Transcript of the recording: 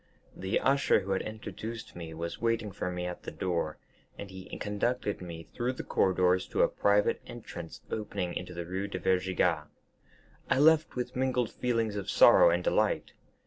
The usher who had introduced me was waiting for me at the door, and he conducted me through the corridors to a private entrance opening into the Rue de Vaugirard. I left with mingled feelings of sorrow and delight.